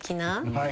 はい。